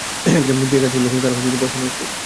যে একাজ করেছে তার পস্তানো উচিত।